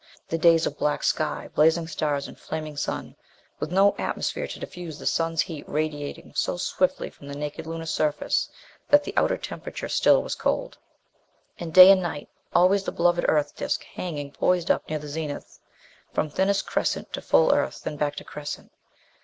The days of black sky, blazing stars and flaming Sun, with no atmosphere to diffuse the Sun's heat radiating so swiftly from the naked Lunar surface that the outer temperature still was cold. And day and night, always the beloved Earth disc hanging poised up near the zenith. From thinnest crescent to full Earth, then back to crescent.